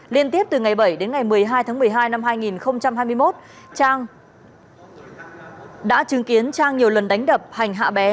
liên tiếp từ ngày bảy đến ngày một mươi hai tháng một mươi hai năm hai nghìn hai mươi một trang đã chứng kiến trang nhiều lần đánh đập hành hạ bé